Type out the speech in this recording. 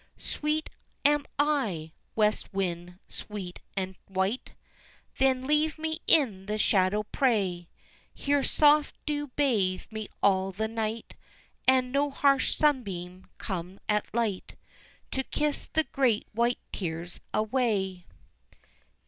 "Sweet, am I," west wind, sweet and white, Then leave me in the shadow pray, Here soft dews bathe me all the night, And no harsh sunbeam comes at light, To kiss the great white tears away."